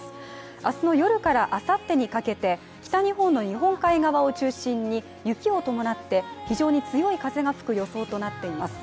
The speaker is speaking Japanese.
明日の夜からあさってにかけて北日本の日本海側を中心に雪を伴って非常に強い風が吹く予想となっています。